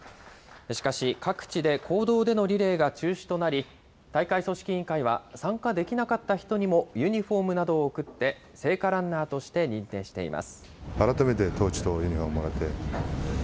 しかし、各地で公道でのリレーが中止となり、大会組織委員会は、参加できなかった人にもユニホームなどを贈って、聖火ランナーとして認定しています。